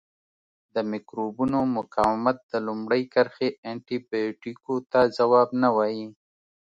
د مکروبونو مقاومت د لومړۍ کرښې انټي بیوټیکو ته ځواب نه وایي.